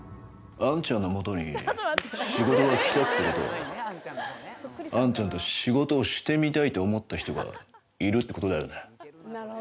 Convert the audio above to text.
杏ちゃんのもとに仕事が来たってことは、杏ちゃんと仕事をしてみたいと思った人がいるってことだよね。